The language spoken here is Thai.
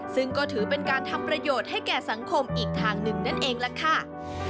ซึ่งก็ถือเป็นการทำประโยชน์ให้แก่สังคมอีกทางหนึ่งนั่นเองล่ะค่ะ